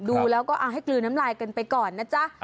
ดูแล้วก็เอาให้กลืนน้ำลายกันไปก่อนนะจ๊ะ